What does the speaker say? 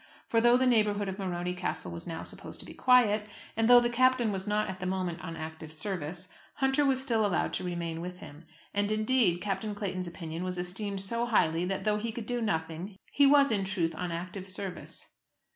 For, though the neighbourhood of Morony Castle was now supposed to be quiet, and though the Captain was not at the moment on active service, Hunter was still allowed to remain with him. And, indeed, Captain Clayton's opinion was esteemed so highly, that, though he could do nothing, he was in truth on active service.